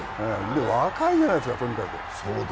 若いじゃないですか、とにかく。